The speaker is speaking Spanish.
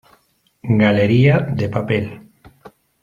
Galería de Papel.